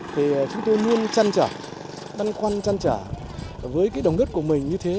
thì chúng tôi luôn chăn trở băn khoăn chăn trở với cái đồng đất của mình